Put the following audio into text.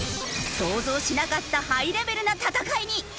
想像しなかったハイレベルな戦いに。